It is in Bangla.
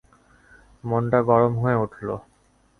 মনটা গরম হয়ে উঠল।